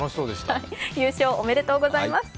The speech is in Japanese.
優勝、おめでとうございます。